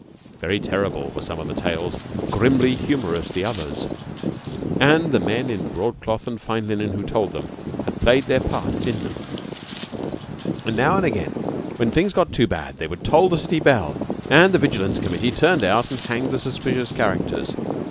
Very terrible were some of the tales, grimly humorous the others, and the men in broadcloth and fine linen who told them had played their parts in them. "And now and again when things got too bad they would toll the city bell, and the Vigilance Committee turned out and hanged the suspicious characters.